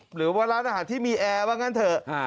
หรือว่าร้านอาหารที่มีแอร์ว่างั้นเถอะ